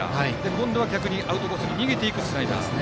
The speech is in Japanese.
今度は逆にアウトコースに逃げていくスライダー。